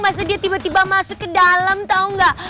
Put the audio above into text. masa dia tiba tiba masuk kedalam tau gak